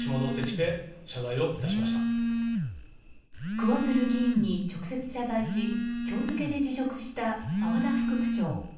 桑水流議員に直接謝罪し今日付で辞職した沢田副区長。